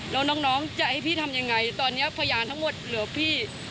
แล้วน้องจะให้พี่ทำยังไงตอนนี้พยานทั้งหมดเหลือพี่